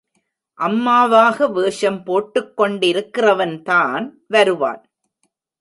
அம்மாவாக வேஷம் போட்டுக் கொண்டிருக்கிறவன்தான் வருவான்.